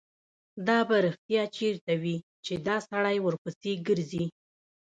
دا به رښتیا چېرته وي چې دا سړی ورپسې ګرځي.